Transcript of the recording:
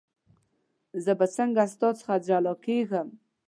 زه به څنګه ستا څخه جلا کېږم.